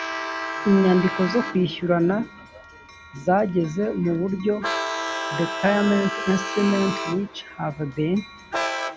inyandiko zo kwishyurana zageze mu buryo the payment instruments which have been